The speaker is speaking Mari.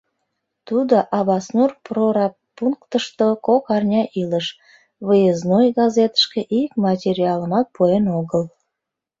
Тудо Абаснур прорабпунктышто кок арня илыш, выездной газетышке ик материалымат пуэн огыл.